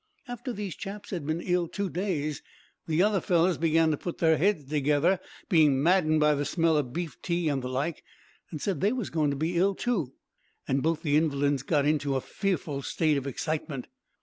"After these chaps had been ill two days, the other fellers began to put their heads together, being maddened by the smell o' beef tea an' the like, an' said they was going to be ill too, and both the invalids got into a fearful state of excitement.